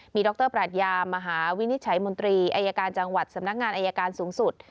ดรปราชยามหาวินิจฉัยมนตรีอายการจังหวัดสำนักงานอายการสูงสุด